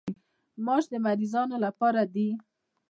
ماش د مریضانو لپاره دي.